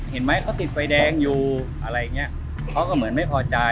เห็นไหมเขาติดไฟแดงอยู่อะไรอย่างเงี้ยเขาก็เหมือนไม่พอใจ